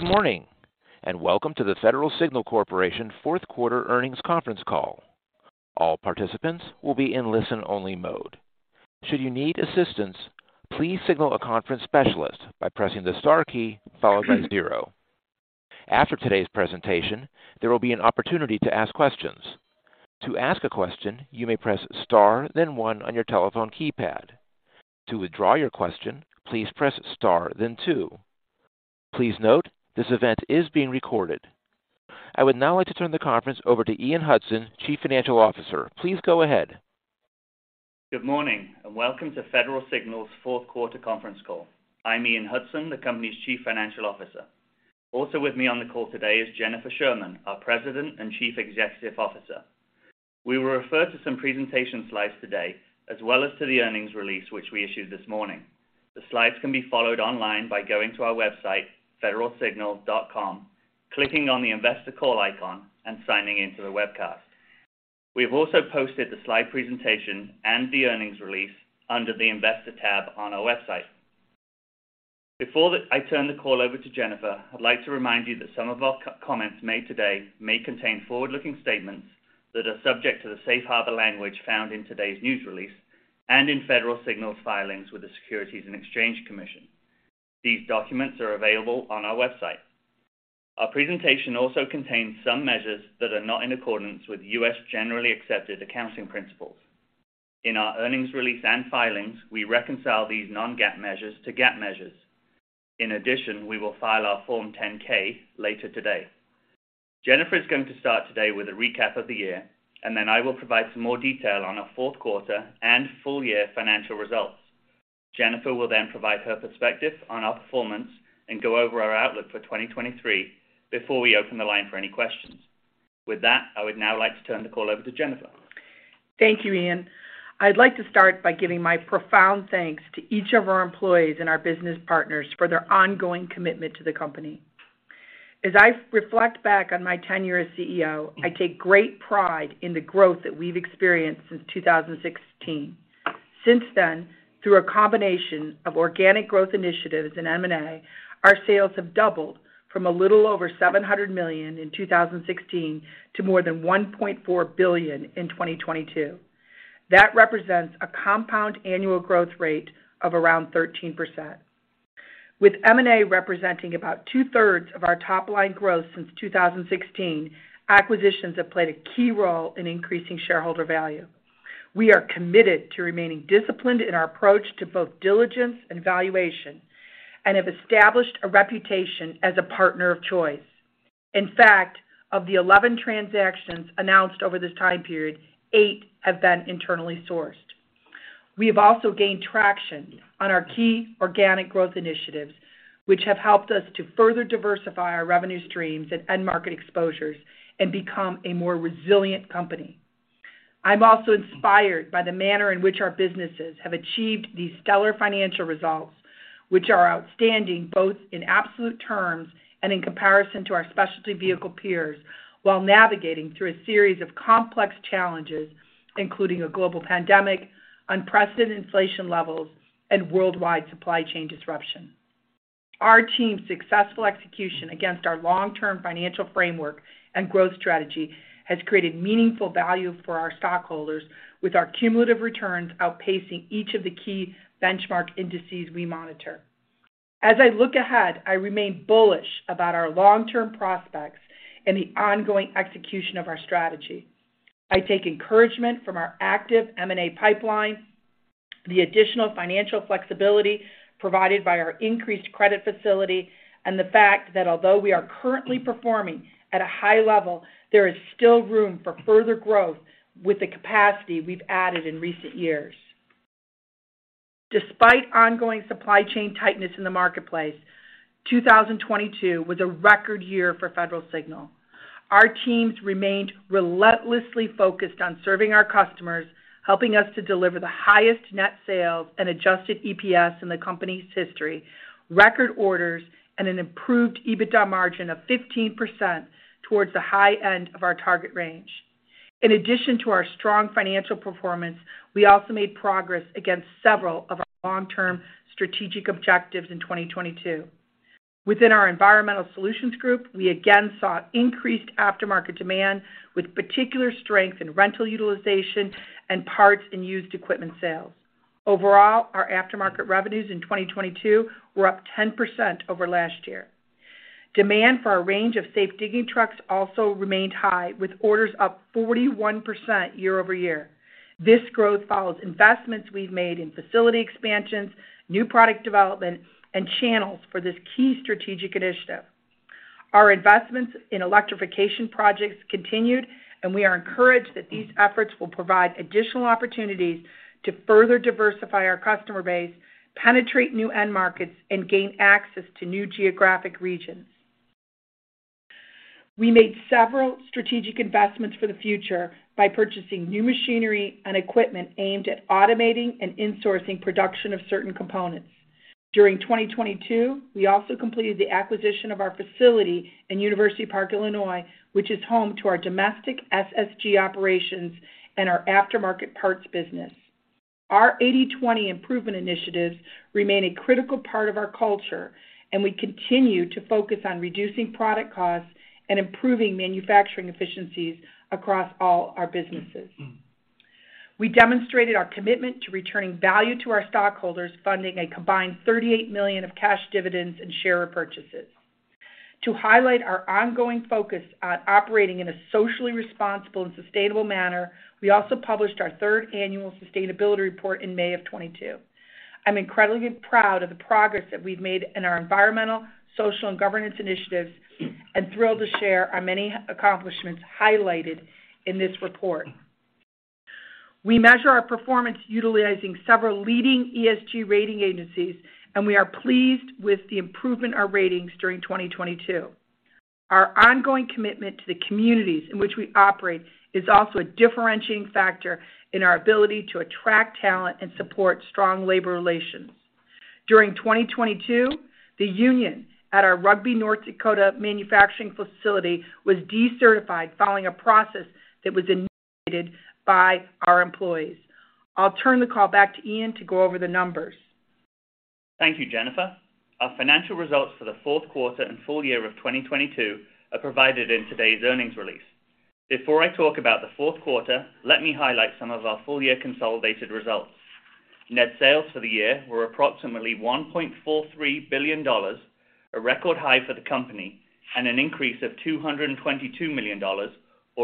Good morning, and welcome to the Federal Signal Corporation fourth quarter earnings conference call. All participants will be in listen-only mode. Should you need assistance, please signal a conference specialist by pressing the * key followed by zero. After today's presentation, there will be an opportunity to ask questions. To ask a question, you may press * then one on your telephone keypad. To withdraw your question, please press * then two. Please note, this event is being recorded. I would now like to turn the conference over to Ian Hudson, Chief Financial Officer. Please go ahead. Good morning. Welcome to Federal Signal's fourth quarter conference call. I'm Ian Hudson, the company's Chief Financial Officer. Also with me on the call today is Jennifer Sherman, our President and Chief Executive Officer. We will refer to some presentation slides today, as well as to the earnings release, which we issued this morning. The slides can be followed online by going to our website, federalsignal.com, clicking on the Investor Call icon, and signing in to the webcast. We have also posted the slide presentation and the earnings release under the Investor tab on our website. Before I turn the call over to Jennifer, I'd like to remind you that some of our comments made today may contain forward-looking statements that are subject to the safe harbor language found in today's news release and in Federal Signal's filings with the Securities and Exchange Commission. These documents are available on our website. Our presentation also contains some measures that are not in accordance with U.S. generally accepted accounting principles. In our earnings release and filings, we reconcile these non-GAAP measures to GAAP measures. In addition, we will file our Form 10-K later today. Jennifer is going to start today with a recap of the year, and then I will provide some more detail on our fourth quarter and full year financial results. Jennifer will then provide her perspective on our performance and go over our outlook for 2023 before we open the line for any questions. With that, I would now like to turn the call over to Jennifer. Thank you, Ian. I'd like to start by giving my profound thanks to each of our employees and our business partners for their ongoing commitment to the company. As I reflect back on my tenure as CEO, I take great pride in the growth that we've experienced since 2016. Since then, through a combination of organic growth initiatives in M&A, our sales have doubled from a little over $700 million in 2016 to more than $1.4 billion in 2022. That represents a compound annual growth rate of around 13%. With M&A representing about 2/3 of our top-line growth since 2016, acquisitions have played a key role in increasing shareholder value. We are committed to remaining disciplined in our approach to both diligence and valuation and have established a reputation as a partner of choice. Of the 11 transactions announced over this time period, 8 have been internally sourced. We have also gained traction on our key organic growth initiatives, which have helped us to further diversify our revenue streams and end market exposures and become a more resilient company. I'm also inspired by the manner in which our businesses have achieved these stellar financial results, which are outstanding both in absolute terms and in comparison to our specialty vehicle peers while navigating through a series of complex challenges, including a global pandemic, unprecedented inflation levels, and worldwide supply chain disruption. Our team's successful execution against our long-term financial framework and growth strategy has created meaningful value for our stockholders with our cumulative returns outpacing each of the key benchmark indices we monitor. As I look ahead, I remain bullish about our long-term prospects and the ongoing execution of our strategy. I take encouragement from our active M&A pipeline, the additional financial flexibility provided by our increased credit facility, and the fact that although we are currently performing at a high level, there is still room for further growth with the capacity we've added in recent years. Despite ongoing supply chain tightness in the marketplace, 2022 was a record year for Federal Signal. Our teams remained relentlessly focused on serving our customers, helping us to deliver the highest net sales and adjusted EPS in the company's history, record orders, and an improved EBITDA margin of 15% towards the high end of our target range. In addition to our strong financial performance, we also made progress against several of our long-term strategic objectives in 2022. Within our Environmental Solutions Group, we again saw increased aftermarket demand with particular strength in rental utilization and parts and used equipment sales. Overall, our aftermarket revenues in 2022 were up 10% over last year. Demand for our range of safe digging trucks also remained high with orders up 41% year-over-year. This growth follows investments we've made in facility expansions, new product development, and channels for this key strategic initiative. Our investments in electrification projects continued, and we are encouraged that these efforts will provide additional opportunities to further diversify our customer base, penetrate new end markets, and gain access to new geographic regions. We made several strategic investments for the future by purchasing new machinery and equipment aimed at automating and insourcing production of certain components. During 2022, we also completed the acquisition of our facility in University Park, Illinois, which is home to our domestic SSG operations and our aftermarket parts business. Our 80/20 improvement initiatives remain a critical part of our culture, and we continue to focus on reducing product costs and improving manufacturing efficiencies across all our businesses. We demonstrated our commitment to returning value to our stockholders, funding a combined $38 million of cash dividends and share repurchases. To highlight our ongoing focus on operating in a socially responsible and sustainable manner, we also published our third annual sustainability report in May of 2022. I'm incredibly proud of the progress that we've made in our environmental, social, and governance initiatives and thrilled to share our many accomplishments highlighted in this report. We measure our performance utilizing several leading ESG rating agencies. We are pleased with the improvement of ratings during 2022. Our ongoing commitment to the communities in which we operate is also a differentiating factor in our ability to attract talent and support strong labor relations. During 2022, the union at our Rugby, North Dakota manufacturing facility was decertified following a process that was initiated by our employees. I'll turn the call back to Ian to go over the numbers. Thank you, Jennifer. Our financial results for the fourth quarter and full year of 2022 are provided in today's earnings release. Before I talk about the fourth quarter, let me highlight some of our full year consolidated results. Net sales for the year were approximately $1.43 billion, a record high for the company, and an increase of $222 million, or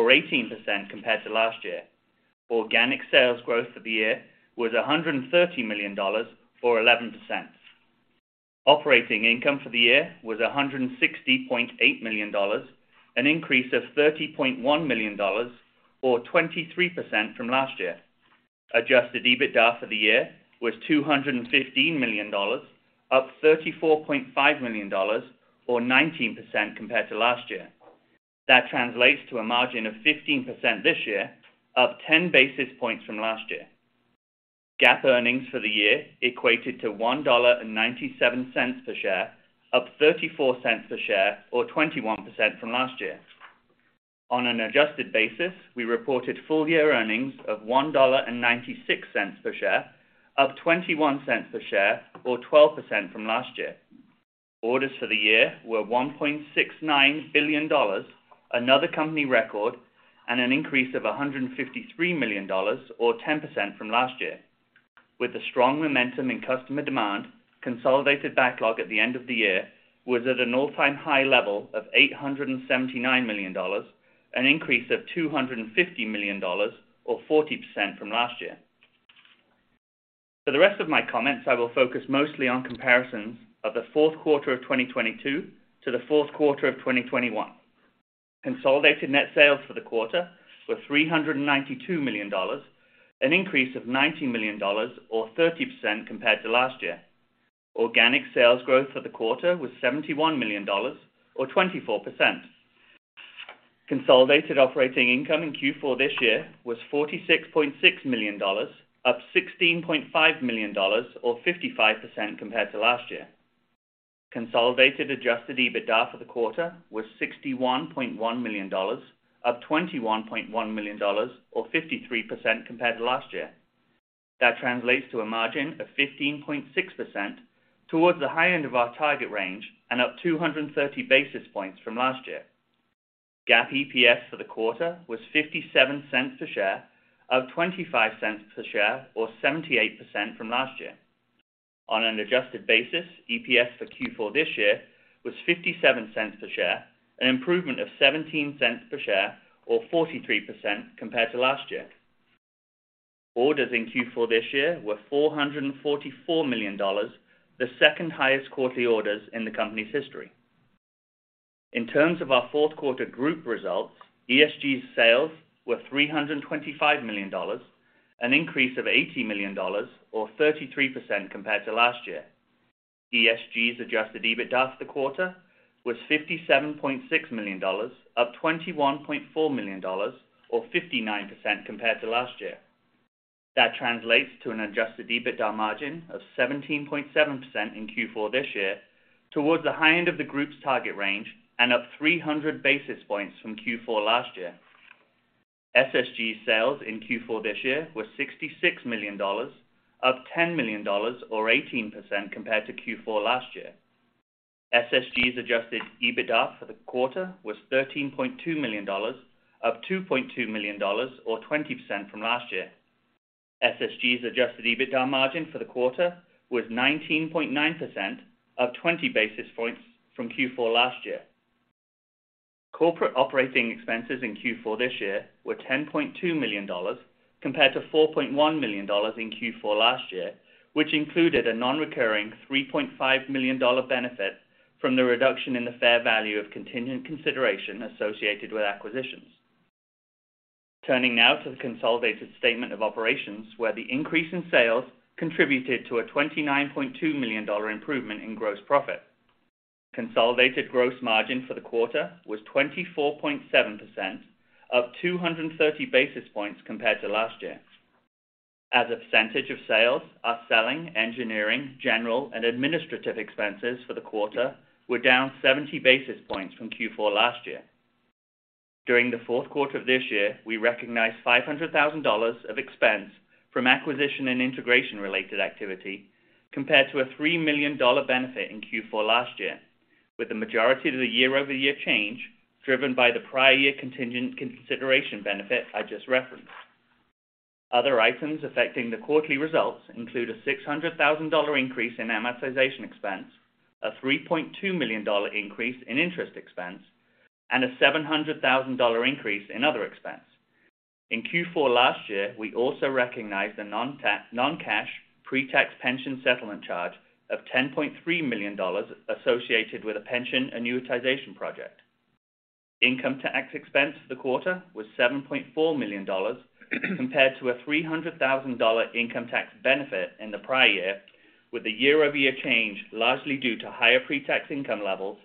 18% compared to last year. Organic sales growth for the year was $130 million, or 11%. Operating income for the year was $160.8 million, an increase of $30.1 million, or 23% from last year. Adjusted EBITDA for the year was $215 million, up $34.5 million or 19% compared to last year. That translates to a margin of 15% this year, up 10 basis points from last year. GAAP earnings for the year equated to $1.97 per share, up $0.34 per share, or 21% from last year. On an adjusted basis, we reported full year earnings of $1.96 per share, up $0.21 per share, or 12% from last year. Orders for the year were $1.69 billion, another company record, and an increase of $153 million or 10% from last year. With the strong momentum in customer demand, consolidated backlog at the end of the year was at an all-time high level of $879 million, an increase of $250 million or 40% from last year. For the rest of my comments, I will focus mostly on comparisons of the fourth quarter of 2022 to the fourth quarter of 2021. Consolidated net sales for the quarter were $392 million, an increase of $90 million or 30% compared to last year. Organic sales growth for the quarter was $71 million or 24%. Consolidated operating income in Q4 this year was $46.6 million, up $16.5 million or 55% compared to last year. Consolidated adjusted EBITDA for the quarter was $61.1 million, up $21.1 million or 53% compared to last year. That translates to a margin of 15.6% towards the high end of our target range and up 230 basis points from last year. GAAP EPS for the quarter was $0.57 per share, up $0.25 per share or 78% from last year. On an adjusted basis, EPS for Q4 this year was $0.57 per share, an improvement of $0.17 per share or 43% compared to last year. Orders in Q4 this year were $444 million, the second highest quarterly orders in the company's history. In terms of our fourth quarter group results, ESG's sales were $325 million, an increase of $80 million or 33% compared to last year. ESG's adjusted EBITDA for the quarter was $57.6 million, up $21.4 million or 59% compared to last year. That translates to an adjusted EBITDA margin of 17.7% in Q4 this year towards the high end of the group's target range and up 300 basis points from Q4 last year. SSG's sales in Q4 this year were $66 million, up $10 million or 18% compared to Q4 last year. SSG's adjusted EBITDA for the quarter was $13.2 million, up $2.2 million or 20% from last year. SSG's adjusted EBITDA margin for the quarter was 19.9%, up 20 basis points from Q4 last year. Corporate operating expenses in Q4 this year were $10.2 million compared to $4.1 million in Q4 last year, which included a non-recurring $3.5 million benefit from the reduction in the fair value of contingent consideration associated with acquisitions. Turning now to the consolidated statement of operations, where the increase in sales contributed to a $29.2 million improvement in gross profit. Consolidated gross margin for the quarter was 24.7%, up 230 basis points compared to last year. As a percentage of sales, our selling, engineering, general, and administrative expenses for the quarter were down 70 basis points from Q4 last year. During the fourth quarter of this year, we recognized $500,000 of expense from acquisition and integration-related activity compared to a $3 million benefit in Q4 last year, with the majority of the year-over-year change driven by the prior year contingent consideration benefit I just referenced. Other items affecting the quarterly results include a $600,000 increase in amortization expense, a $3.2 million increase in interest expense, and a $700,000 increase in other expense. In Q4 last year, we also recognized a non-cash pre-tax pension settlement charge of $10.3 million associated with a pension annuitization project. Income tax expense for the quarter was $7.4 million compared to a $300,000 income tax benefit in the prior year, with the year-over-year change largely due to higher pre-tax income levels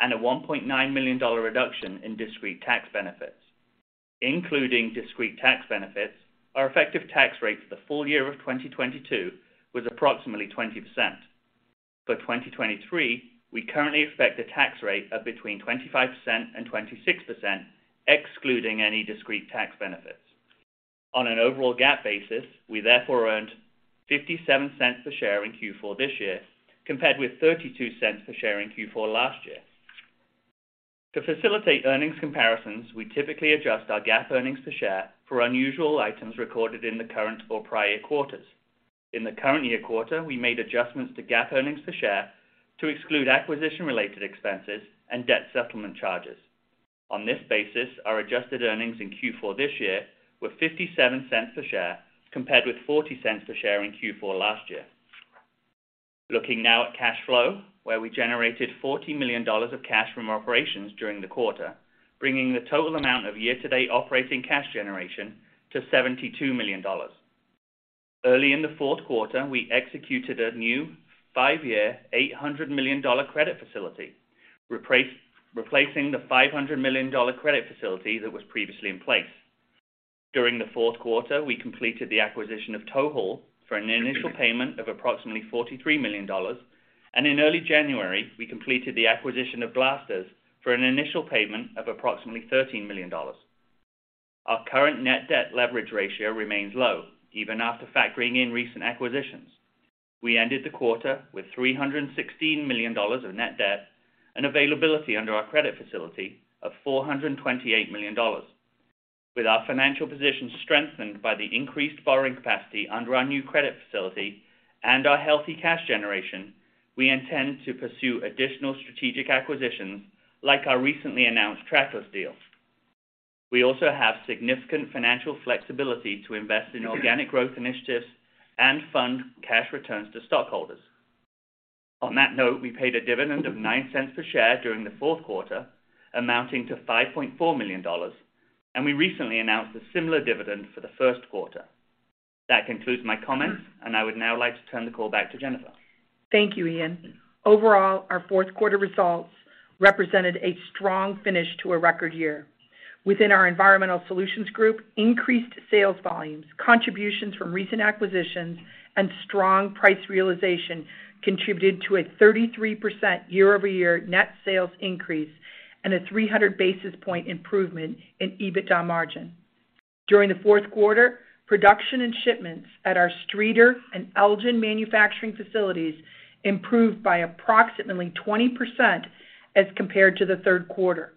and a $1.9 million reduction in discrete tax benefits. Including discrete tax benefits, our effective tax rate for the full year of 2022 was approximately 20%. For 2023, we currently expect a tax rate of between 25% and 26%, excluding any discrete tax benefits. On an overall GAAP basis, we therefore earned $0.57 per share in Q4 this year, compared with $0.32 per share in Q4 last year. To facilitate earnings comparisons, we typically adjust our GAAP earnings per share for unusual items recorded in the current or prior quarters. In the current year quarter, we made adjustments to GAAP earnings per share to exclude acquisition-related expenses and debt settlement charges. On this basis, our adjusted earnings in Q4 this year were $0.57 per share, compared with $0.40 per share in Q4 last year. Looking now at cash flow, where we generated $40 million of cash from operations during the quarter, bringing the total amount of year-to-date operating cash generation to $72 million. Early in the fourth quarter, we executed a new 5-year, $800 million credit facility, replacing the $500 million credit facility that was previously in place. During the fourth quarter, we completed the acquisition of TowHaul for an initial payment of approximately $43 million, and in early January, we completed the acquisition of Blasters for an initial payment of approximately $13 million. Our current net debt leverage ratio remains low, even after factoring in recent acquisitions. We ended the quarter with $316 million of net debt and availability under our credit facility of $428 million. With our financial position strengthened by the increased borrowing capacity under our new credit facility and our healthy cash generation, we intend to pursue additional strategic acquisitions, like our recently announced Trackless deal. We also have significant financial flexibility to invest in organic growth initiatives and fund cash returns to stockholders. On that note, we paid a dividend of $0.09 per share during the fourth quarter, amounting to $5.4 million. We recently announced a similar dividend for the first quarter. That concludes my comments. I would now like to turn the call back to Jennifer. Thank you, Ian. Overall, our fourth quarter results represented a strong finish to a record year. Within our Environmental Solutions Group, increased sales volumes, contributions from recent acquisitions, and strong price realization contributed to a 33% year-over-year net sales increase and a 300 basis point improvement in EBITDA margin. During the fourth quarter, production and shipments at our Streator and Elgin manufacturing facilities improved by approximately 20% as compared to the third quarter.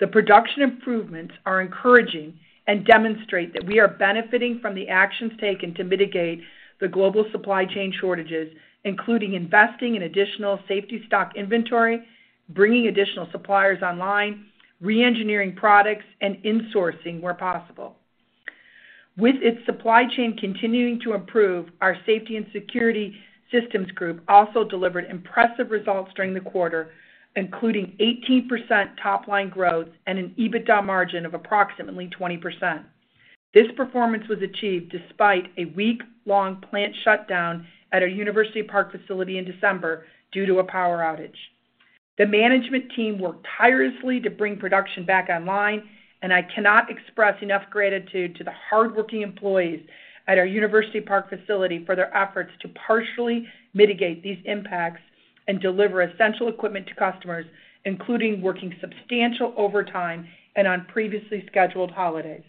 The production improvements are encouraging and demonstrate that we are benefiting from the actions taken to mitigate the global supply chain shortages, including investing in additional safety stock inventory, bringing additional suppliers online, re-engineering products, and insourcing where possible. With its supply chain continuing to improve, our Safety and Security Systems Group also delivered impressive results during the quarter, including 18% top-line growth and an EBITDA margin of approximately 20%. This performance was achieved despite a week-long plant shutdown at our University Park facility in December due to a power outage. The management team worked tirelessly to bring production back online, and I cannot express enough gratitude to the hardworking employees at our University Park facility for their efforts to partially mitigate these impacts and deliver essential equipment to customers, including working substantial overtime and on previously scheduled holidays.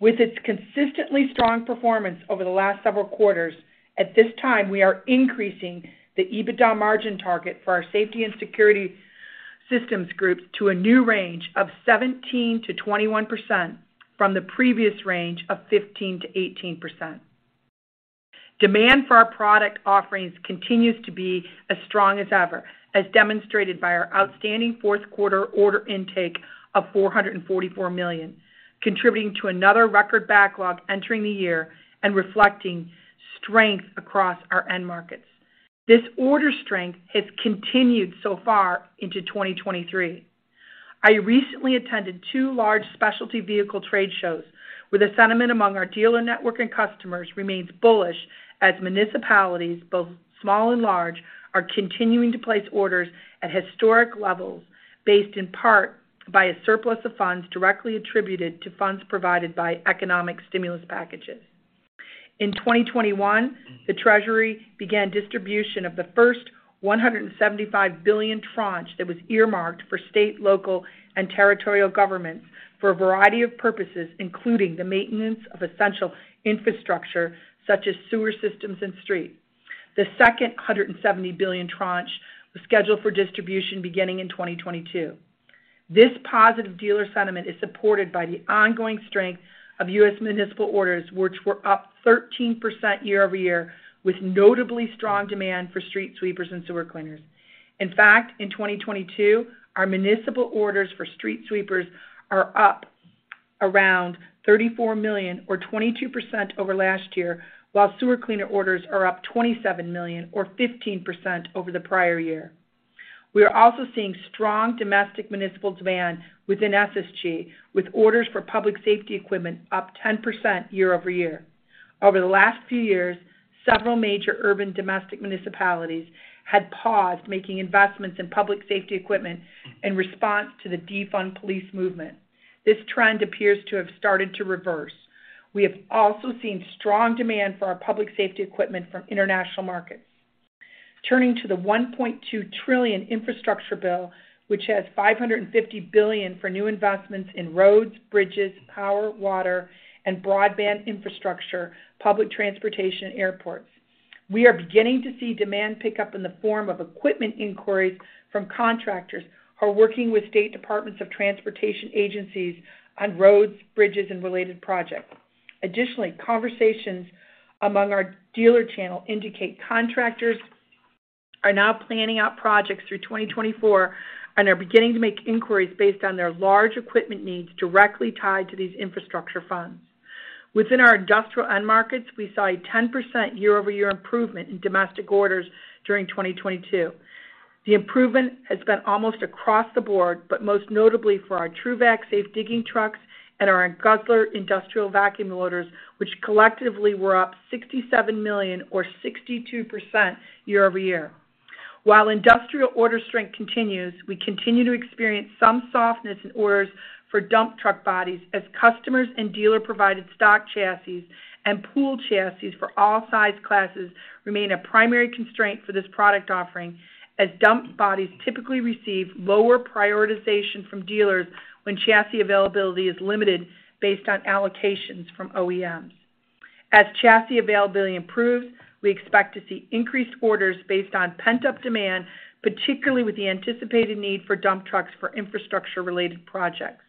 With its consistently strong performance over the last several quarters, at this time, we are increasing the EBITDA margin target for our Safety and Security Systems Group to a new range of 17%-21% from the previous range of 15%-18%. Demand for our product offerings continues to be as strong as ever, as demonstrated by our outstanding fourth quarter order intake of $444 million, contributing to another record backlog entering the year and reflecting strength across our end markets. This order strength has continued so far into 2023. I recently attended two large specialty vehicle trade shows where the sentiment among our dealer network and customers remains bullish as municipalities, both small and large, are continuing to place orders at historic levels based in part by a surplus of funds directly attributed to funds provided by economic stimulus packages. In 2021, the Treasury began distribution of the first $175 billion tranche that was earmarked for state, local, and territorial governments for a variety of purposes, including the maintenance of essential infrastructure such as sewer systems and streets. The second $170 billion tranche was scheduled for distribution beginning in 2022. This positive dealer sentiment is supported by the ongoing strength of U.S. municipal orders, which were up 13% year-over-year, with notably strong demand for street sweepers and sewer cleaners. In fact, in 2022, our municipal orders for street sweepers are up around $34 million or 22% over last year, while sewer cleaner orders are up $27 million or 15% over the prior year. We are also seeing strong domestic municipal demand within SSG, with orders for public safety equipment up 10% year-over-year. Over the last few years, several major urban domestic municipalities had paused making investments in public safety equipment in response to the Defund Police movement. This trend appears to have started to reverse. We have also seen strong demand for our public safety equipment from international markets. Turning to the $1.2 trillion infrastructure bill, which has $550 billion for new investments in roads, bridges, power, water, and broadband infrastructure, public transportation, and airports. We are beginning to see demand pick up in the form of equipment inquiries from contractors who are working with state departments of transportation agencies on roads, bridges, and related projects. Additionally, conversations among our dealer channel indicate contractors are now planning out projects through 2024 and are beginning to make inquiries based on their large equipment needs directly tied to these infrastructure funds. Within our industrial end markets, we saw a 10% year-over-year improvement in domestic orders during 2022. The improvement has been almost across the board, but most notably for our TRUVAC safe digging trucks and our Guzzler industrial vacuum loaders, which collectively were up $67 million or 62% year-over-year. While industrial order strength continues, we continue to experience some softness in orders for dump truck bodies as customers and dealer provided stock chassis and pool chassis for all size classes remain a primary constraint for this product offering, as dump bodies typically receive lower prioritization from dealers when chassis availability is limited based on allocations from OEMs. As chassis availability improves, we expect to see increased orders based on pent-up demand, particularly with the anticipated need for dump trucks for infrastructure related projects.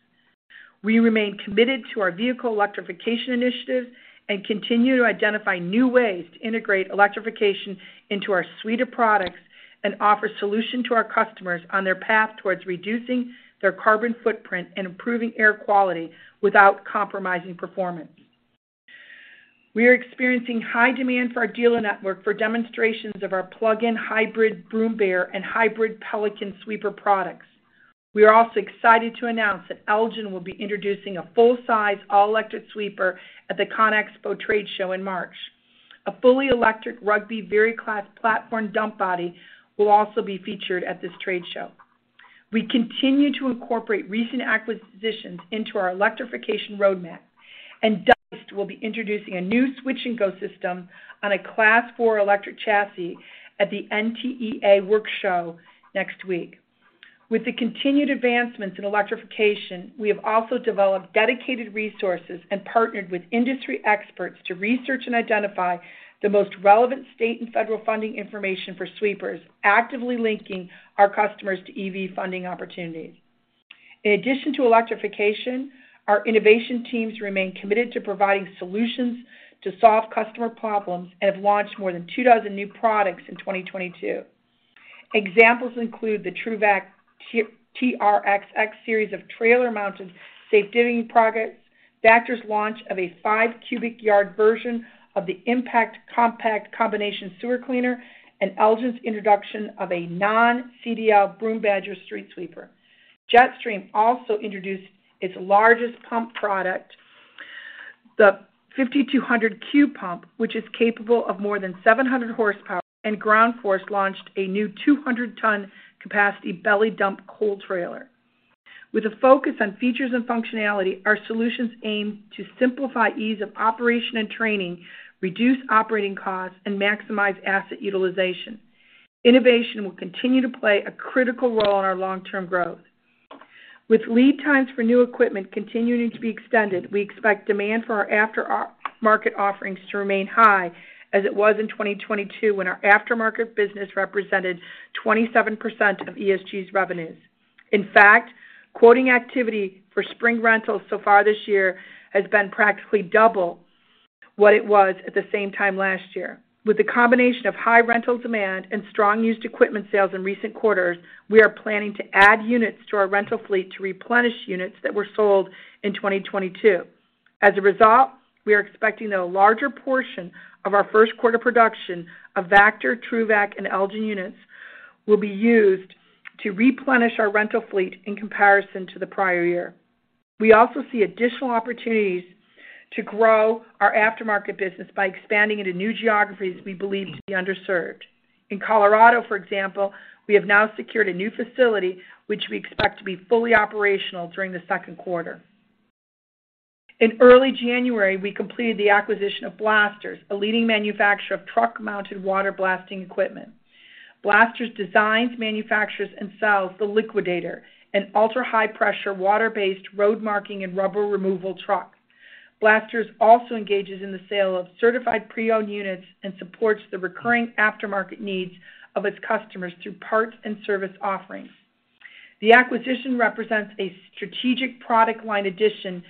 We remain committed to our vehicle electrification initiatives and continue to identify new ways to integrate electrification into our suite of products and offer solution to our customers on their path towards reducing their carbon footprint and improving air quality without compromising performance. We are experiencing high demand for our dealer network for demonstrations of our plug-in hybrid Broom Bear and hybrid Pelican sweeper products. We are also excited to announce that Elgin will be introducing a full-size all-electric sweeper at the CONEXPO trade show in March. A fully electric Rugby Vari-Class platform dump body will also be featured at this trade show. We continue to incorporate recent acquisitions into our electrification roadmap, and Rugby will be introducing a new Switch-N-Go system on a Class 4 electric chassis at the NTEA Work Truck Show next week. With the continued advancements in electrification, we have also developed dedicated resources and partnered with industry experts to research and identify the most relevant state and federal funding information for sweepers, actively linking our customers to EV funding opportunities. In addition to electrification, our innovation teams remain committed to providing solutions to solve customer problems and have launched more than 2 dozen new products in 2022. Examples include the TRUVAC TRXX series of trailer mounted safe digging products, Vactor's launch of a 5 cubic yard version of the iMPACT compact combination sewer cleaner, and Elgin's introduction of a non-CDL Broom Badger street sweeper. Jetstream also introduced its largest pump product, the 5200Q pump, which is capable of more than 700 horsepower, and Ground Force launched a new 200 ton capacity belly dump coal trailer. With a focus on features and functionality, our solutions aim to simplify ease of operation and training, reduce operating costs, and maximize asset utilization. Innovation will continue to play a critical role in our long-term growth. With lead times for new equipment continuing to be extended, we expect demand for our aftermarket offerings to remain high as it was in 2022 when our aftermarket business represented 27% of ESG's revenues. In fact, quoting activity for spring rentals so far this year has been practically double what it was at the same time last year. With the combination of high rental demand and strong used equipment sales in recent quarters, we are planning to add units to our rental fleet to replenish units that were sold in 2022. As a result, we are expecting that a larger portion of our first quarter production of Vactor, TRUVAC, and Elgin units will be used to replenish our rental fleet in comparison to the prior year. We also see additional opportunities to grow our aftermarket business by expanding into new geographies we believe to be underserved. In Colorado, for example, we have now secured a new facility which we expect to be fully operational during the second quarter. In early January, we completed the acquisition of Blasters, a leading manufacturer of truck-mounted water blasting equipment. Blasters designs, manufactures, and sells the Liquidator, an ultra-high pressure water-based road marking and rubber removal truck. Blasters also engages in the sale of certified pre-owned units and supports the recurring aftermarket needs of its customers through parts and service offerings. The acquisition represents a strategic product line addition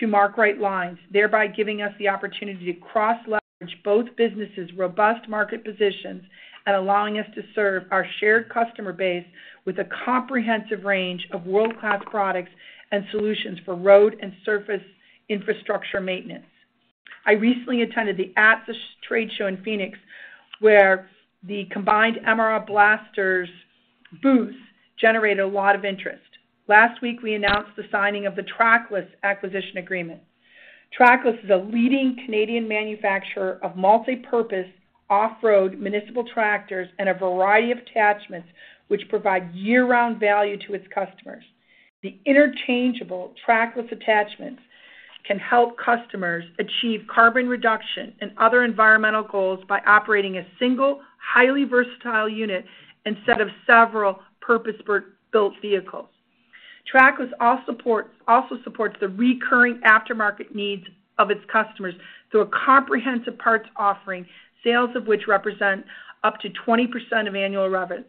to Mark Rite Lines, thereby giving us the opportunity to cross-leverage both businesses' robust market positions and allowing us to serve our shared customer base with a comprehensive range of world-class products and solutions for road and surface infrastructure maintenance. I recently attended the ATSSA Trade Show in Phoenix, where the combined MRL Blasters booths generated a lot of interest. Last week, we announced the signing of the Trackless acquisition agreement. Trackless is a leading Canadian manufacturer of multipurpose, off-road municipal tractors and a variety of attachments which provide year-round value to its customers. The interchangeable Trackless attachments can help customers achieve carbon reduction and other environmental goals by operating a single highly versatile unit instead of several purpose-built vehicles. Trackless also supports the recurring aftermarket needs of its customers through a comprehensive parts offering, sales of which represent up to 20% of annual revenues.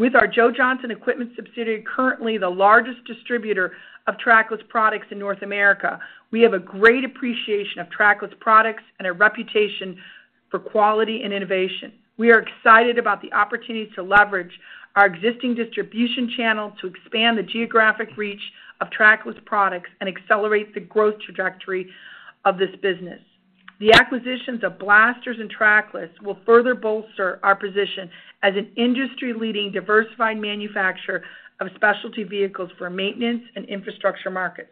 With our Joe Johnson Equipment subsidiary currently the largest distributor of Trackless products in North America, we have a great appreciation of Trackless products and a reputation for quality and innovation. We are excited about the opportunity to leverage our existing distribution channel to expand the geographic reach of Trackless products and accelerate the growth trajectory of this business. The acquisitions of Blasters and Trackless will further bolster our position as an industry-leading diversified manufacturer of specialty vehicles for maintenance and infrastructure markets.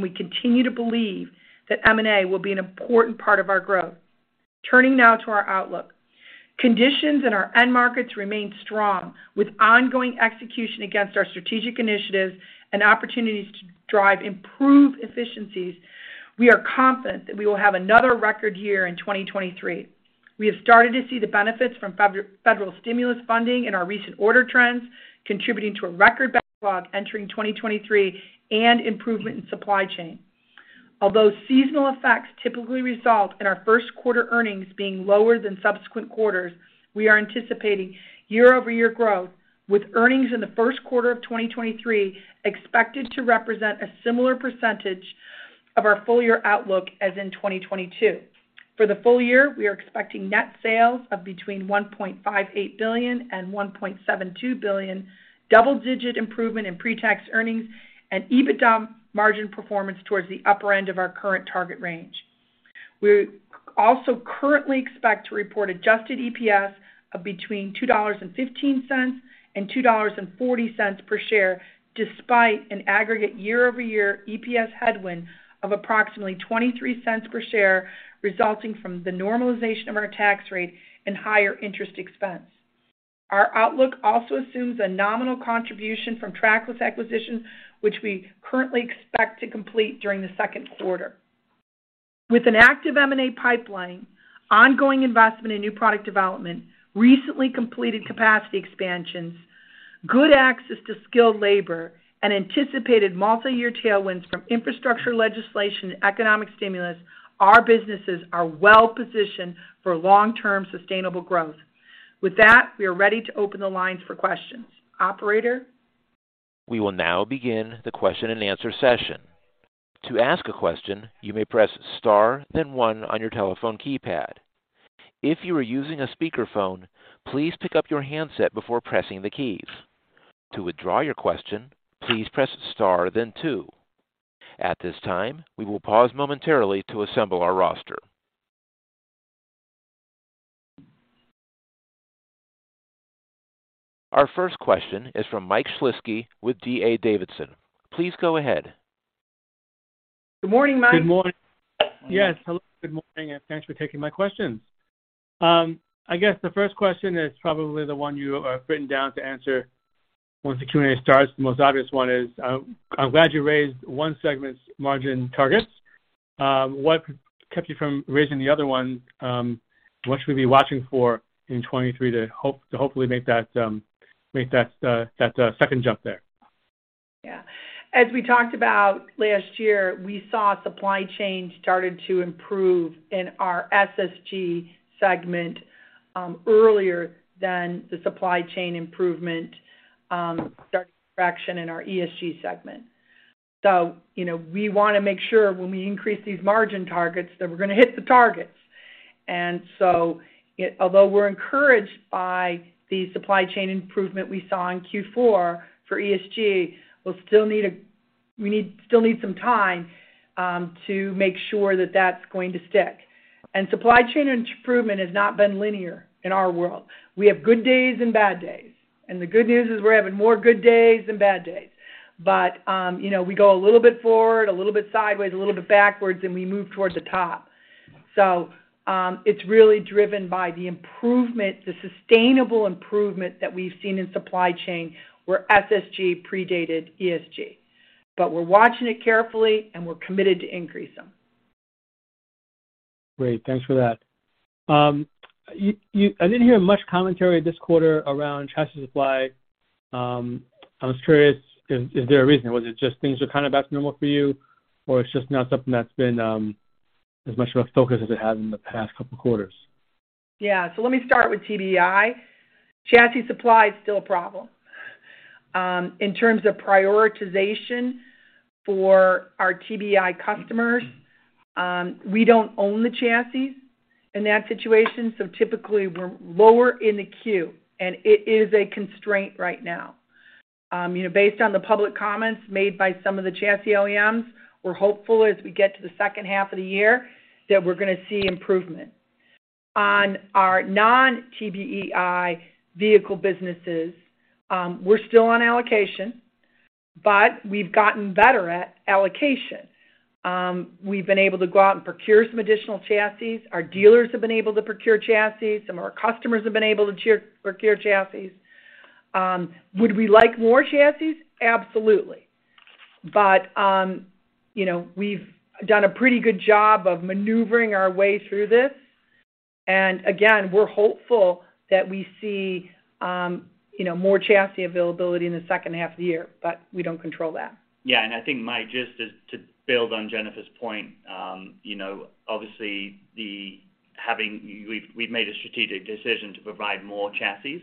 We continue to believe that M&A will be an important part of our growth. Turning now to our outlook. Conditions in our end markets remain strong. With ongoing execution against our strategic initiatives and opportunities to drive improved efficiencies, we are confident that we will have another record year in 2023. We have started to see the benefits from federal stimulus funding in our recent order trends, contributing to a record backlog entering 2023 and improvement in supply chain. Although seasonal effects typically result in our first quarter earnings being lower than subsequent quarters, we are anticipating year-over-year growth, with earnings in the first quarter of 2023 expected to represent a similar % of our full year outlook as in 2022. For the full year, we are expecting net sales of between $1.58 billion and $1.72 billion, double-digit improvement in pre-tax earnings and EBITDA margin performance towards the upper end of our current target range. We also currently expect to report adjusted EPS of between $2.15 and $2.40 per share, despite an aggregate year-over-year EPS headwind of approximately $0.23 per share resulting from the normalization of our tax rate and higher interest expense. Our outlook also assumes a nominal contribution from Trackless acquisition, which we currently expect to complete during the second quarter. With an active M&A pipeline, ongoing investment in new product development, recently completed capacity expansions, good access to skilled labor, and anticipated multi-year tailwinds from infrastructure legislation and economic stimulus, our businesses are well positioned for long-term sustainable growth. With that, we are ready to open the lines for questions. Operator? We will now begin the question and answer session. To ask a question, you may press Star, then One on your telephone keypad. If you are using a speakerphone, please pick up your handset before pressing the keys. To withdraw your question, please press Star then Two. At this time, we will pause momentarily to assemble our roster. Our first question is from Michael Shlisky with D.A. Davidson. Please go ahead. Good morning, Mike. Good morning. Yes, hello, good morning, and thanks for taking my questions. I guess the first question is probably the one you have written down to answer once the Q&A starts. The most obvious one is, I'm glad you raised one segment's margin targets. What kept you from raising the other one? What should we be watching for in 23 to hopefully make that second jump there? Yeah. As we talked about last year, we saw supply chain started to improve in our SSG segment earlier than the supply chain improvement started to traction in our ESG segment. You know, we wanna make sure when we increase these margin targets that we're gonna hit the targets. Although we're encouraged by the supply chain improvement we saw in Q4 for ESG, we'll still need some time to make sure that that's going to stick. Supply chain improvement has not been linear in our world. We have good days and bad days, and the good news is we're having more good days than bad days. You know, we go a little bit forward, a little bit sideways, a little bit backwards, and we move towards the top. It's really driven by the improvement, the sustainable improvement that we've seen in supply chain, where SSG predated ESG. We're watching it carefully, and we're committed to increase them. Great. Thanks for that. I didn't hear much commentary this quarter around chassis supply. I was curious, is there a reason? Was it just things are kind of back to normal for you or it's just not something that's been, as much of a focus as it has in the past couple quarters? Yeah. Let me start with TBEI. Chassis supply is still a problem. In terms of prioritization for our TBEI customers, we don't own the chassis in that situation, so typically we're lower in the queue, and it is a constraint right now. You know, based on the public comments made by some of the chassis OEMs, we're hopeful as we get to the second half of the year that we're gonna see improvement. On our non-TBEI vehicle businesses, we're still on allocation, but we've gotten better at allocation. We've been able to go out and procure some additional chassis. Our dealers have been able to procure chassis. Some of our customers have been able to procure chassis. Would we like more chassis? Absolutely. You know, we've done a pretty good job of maneuvering our way through this. Again, we're hopeful that we see, you know, more chassis availability in the second half of the year, but we don't control that. Yeah. I think my gist is to build on Jennifer's point, you know, obviously the we've made a strategic decision to provide more chassis.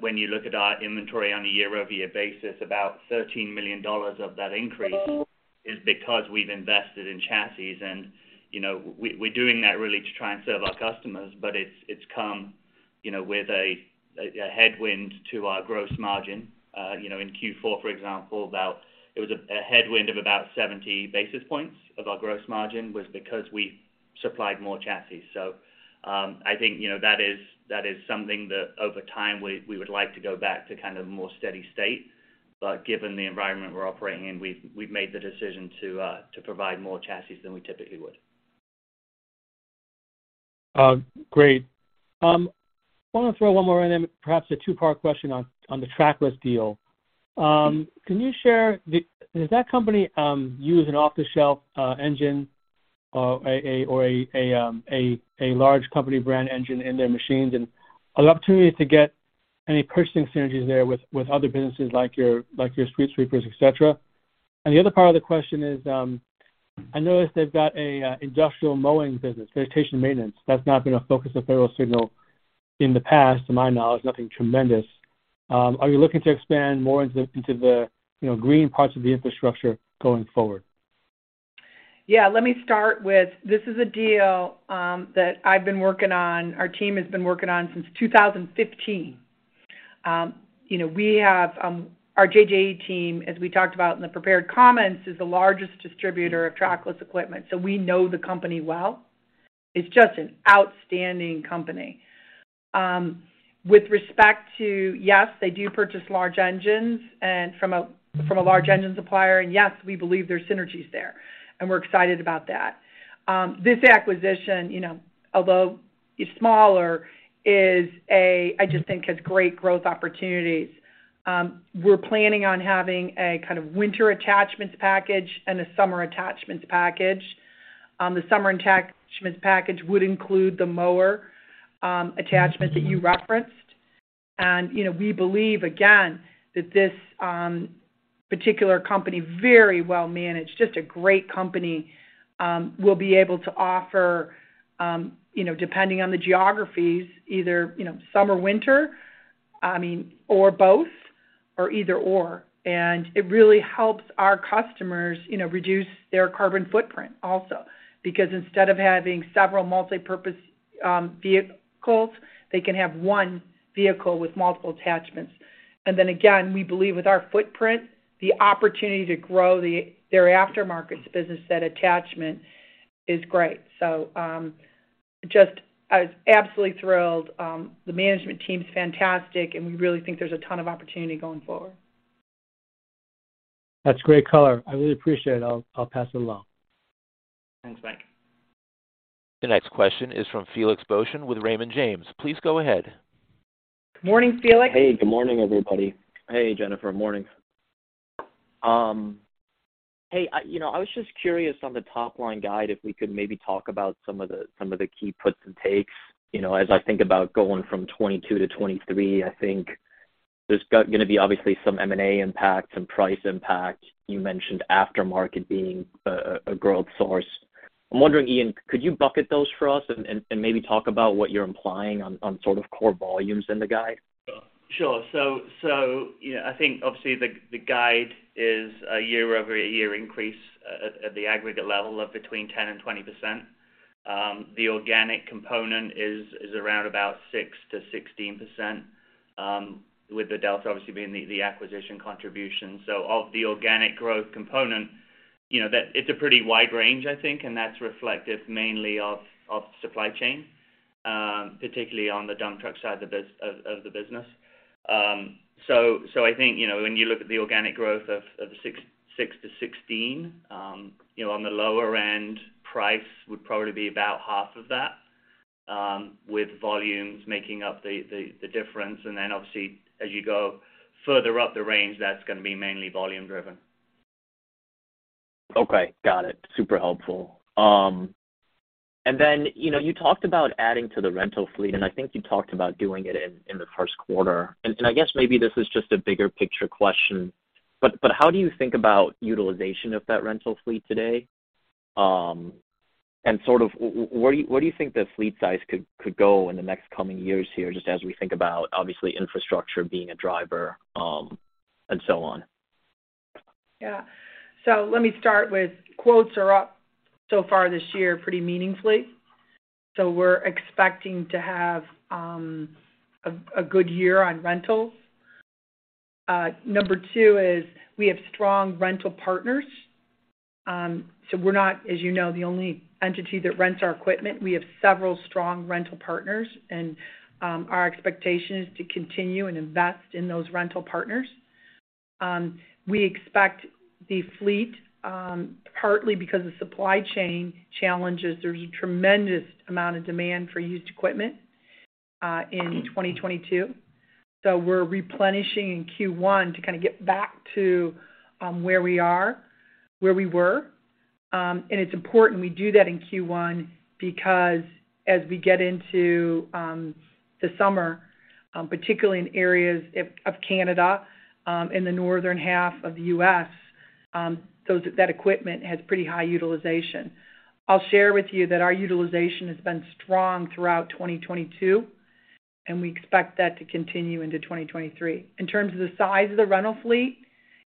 When you look at our inventory on a year-over-year basis, about $13 million of that increase is because we've invested in chassis and, you know, we're doing that really to try and serve our customers, but it's come, you know, with a headwind to our gross margin. You know, in Q4, for example, it was a headwind of about 70 basis points of our gross margin was because we supplied more chassis. I think, you know, that is something that over time we would like to go back to kind of a more steady state. Given the environment we're operating in, we've made the decision to provide more chassis than we typically would. Great. I want to throw one more in and perhaps a two-part question on the Trackless deal. Does that company use an off-the-shelf engine or a large company brand engine in their machines and opportunities to get any purchasing synergies there with other businesses like your street sweepers, et cetera? The other part of the question is, I noticed they've got an industrial mowing business, vegetation maintenance. That's not been a focus of Federal Signal in the past, to my knowledge, nothing tremendous. Are you looking to expand more into the, you know, green parts of the infrastructure going forward? Let me start with, this is a deal that I've been working on, our team has been working on since 2015. You know, we have our JJE team, as we talked about in the prepared comments, is the largest distributor of Trackless equipment, so we know the company well. It's just an outstanding company. With respect to, yes, they do purchase large engines from a large engine supplier. Yes, we believe there's synergies there, and we're excited about that. This acquisition, you know, although it's smaller, is a, I just think has great growth opportunities. We're planning on having a kind of winter attachments package and a summer attachments package. The summer attachments package would include the mower attachment that you referenced. You know, we believe, again, that this particular company, very well managed, just a great company, will be able to offer, you know, depending on the geographies, either, you know, summer, winter, I mean, or both or either/or. It really helps our customers, you know, reduce their carbon footprint also. Instead of having several multipurpose vehicles, they can have 1 vehicle with multiple attachments. Again, we believe with our footprint, the opportunity to grow their aftermarket business, that attachment is great. Just I was absolutely thrilled. The management team is fantastic, and we really think there's a ton of opportunity going forward. That's great color. I really appreciate it. I'll pass it along. Thanks, Mike. The next question is from Felix Boeschen with Raymond James. Please go ahead. Morning, Felix. Hey, good morning, everybody. Hey, Jennifer. Morning. Hey, you know, I was just curious on the top-line guide, if we could maybe talk about some of the key puts and takes. You know, as I think about going from 2022 to 2023, I think there's gonna be obviously some M&A impact, some price impact. You mentioned aftermarket being a growth source. I'm wondering, Ian, could you bucket those for us and maybe talk about what you're implying on sort of core volumes in the guide? Sure. You know, I think obviously the guide is a year-over-year increase at the aggregate level of between 10 and 20%. The organic component is around about 6% to 16%, with the delta obviously being the acquisition contribution. Of the organic growth component, you know, that it's a pretty wide range, I think, and that's reflective mainly of supply chain, particularly on the dump truck side of the business. I think, you know, when you look at the organic growth of 6%-16%, you know, on the lower end, price would probably be about half of that, with volumes making up the difference. Obviously, as you go further up the range, that's gonna be mainly volume-driven. Okay, got it. Super helpful. You know, you talked about adding to the rental fleet, and I think you talked about doing it in the first quarter. I guess maybe this is just a bigger picture question, but how do you think about utilization of that rental fleet today? Sort of where do you think the fleet size could go in the next coming years here, just as we think about obviously infrastructure being a driver, and so on? Yeah. Let me start with quotes are up so far this year pretty meaningfully, we're expecting to have a good year on rentals. Number two is we have strong rental partners, we're not, as you know, the only entity that rents our equipment. We have several strong rental partners, our expectation is to continue and invest in those rental partners. We expect the fleet, partly because of supply chain challenges, there's a tremendous amount of demand for used equipment in 2022, we're replenishing in Q1 to kinda get back to where we were. It's important we do that in Q1 because as we get into the summer, particularly in areas of Canada, in the northern half of the U.S., that equipment has pretty high utilization. I'll share with you that our utilization has been strong throughout 2022, and we expect that to continue into 2023. In terms of the size of the rental fleet,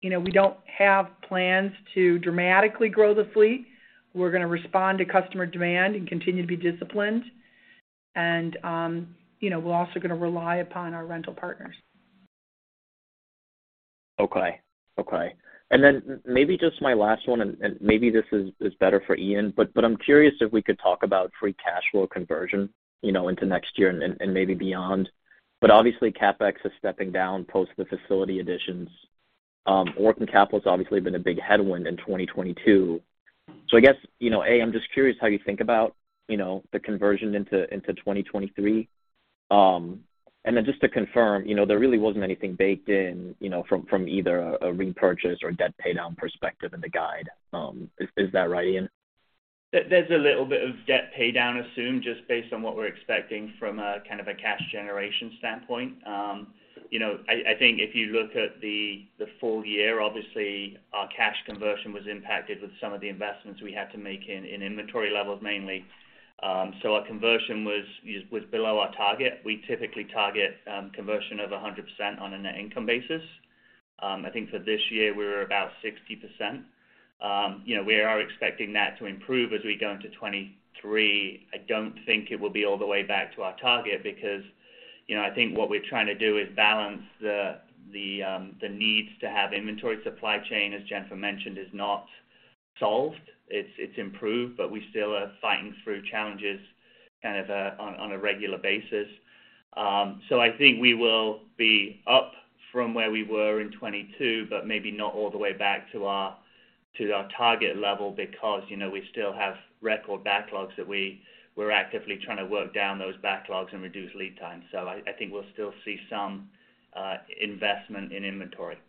you know, we don't have plans to dramatically grow the fleet. We're gonna respond to customer demand and continue to be disciplined and, you know, we're also gonna rely upon our rental partners. Okay. Okay. Maybe just my last one, and maybe this is better for Ian, but I'm curious if we could talk about free cash flow conversion, you know, into next year and maybe beyond. Obviously, CapEx is stepping down post the facility additions. Working capital's obviously been a big headwind in 2022. I guess, you know, A, I'm just curious how you think about, you know, the conversion into 2023. Just to confirm, you know, there really wasn't anything baked in, you know, from either a repurchase or debt pay down perspective in the guide. Is that right, Ian? There's a little bit of debt pay down assumed just based on what we're expecting from a kind of a cash generation standpoint. I think if you look at the full year, obviously our cash conversion was impacted with some of the investments we had to make in inventory levels mainly. Our conversion was below our target. We typically target conversion of 100% on a net income basis. I think for this year, we were about 60%. We are expecting that to improve as we go into 2023. I don't think it will be all the way back to our target because, I think what we're trying to do is balance the needs to have inventory supply chain, as Jennifer mentioned, is not solved. It's improved, but we still are fighting through challenges kind of on a regular basis. I think we will be up from where we were in 2022, but maybe not all the way back to our target level because, you know, we still have record backlogs that we're actively trying to work down those backlogs and reduce lead time. I think we'll still see some investment in inventory.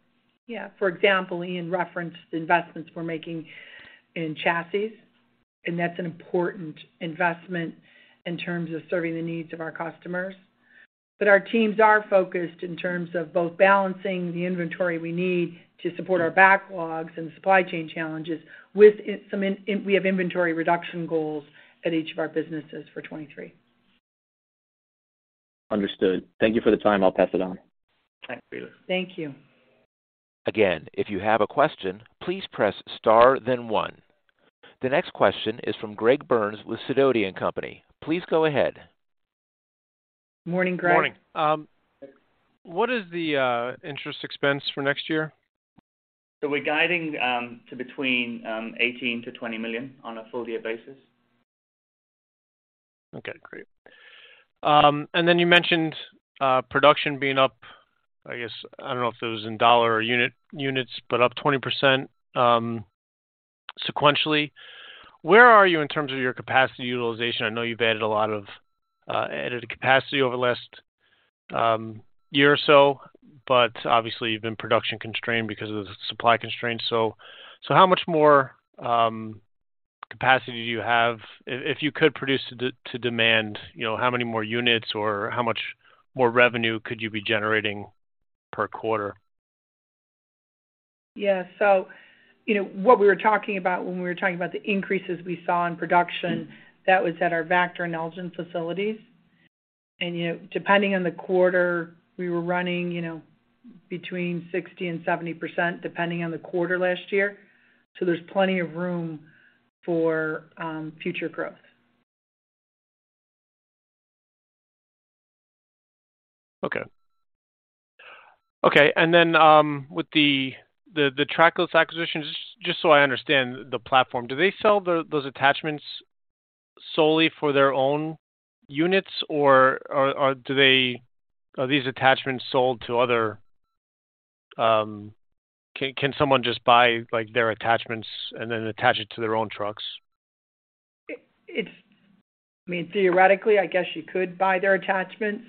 Yeah. For example, Ian referenced the investments we're making in chassis, and that's an important investment in terms of serving the needs of our customers. Our teams are focused in terms of both balancing the inventory we need to support our backlogs and supply chain challenges with some we have inventory reduction goals at each of our businesses for 2023. Understood. Thank you for the time. I'll pass it on. Thanks, Felix. Thank you. Again, if you have a question, please press * then 1. The next question is from Greg Burns with Sidoti & Company. Please go ahead. Morning, Greg. Morning. What is the interest expense for next year? We're guiding to between $18 million-$20 million on a full year basis. Okay, great. Then you mentioned production being up, I guess, I don't know if it was in $ or unit, units, but up 20% sequentially. Where are you in terms of your capacity utilization? I know you've added a lot of added capacity over the last year or so, but obviously you've been production constrained because of the supply constraints. How much more capacity do you have? If, if you could produce to demand, you know, how many more units or how much more revenue could you be generating per quarter? Yeah. You know, what we were talking about when we were talking about the increases we saw in production, that was at our Vactor and Elgin facilities. You know, depending on the quarter, we were running, you know, between 60% and 70%, depending on the quarter last year. There's plenty of room for future growth. Okay. Okay. Then, with the Trackless acquisitions, just so I understand the platform, do they sell those attachments solely for their own units, or are these attachments sold to other? Can someone just buy, like, their attachments and then attach it to their own trucks? It's, I mean, theoretically, I guess you could buy their attachments